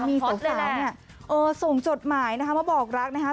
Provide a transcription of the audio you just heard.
มีสาวสาวเนี่ยส่งจดหมายนะคะมาบอกรักนะคะ